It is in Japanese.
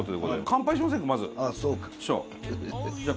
乾杯しませんか？